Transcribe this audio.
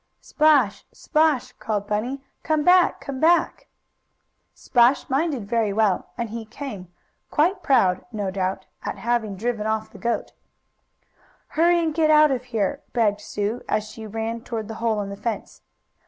"Splash! Splash!" called Bunny. "Come back! Come back!" Splash minded very well and back he came, quite proud, no doubt, at having driven off the goat. "Hurry and get out of here!" begged Sue, as she ran toward the hole in the fence.